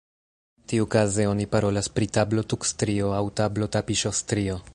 Tiukaze oni parolas pri tablotukstrio aŭ tablotapiŝostrio.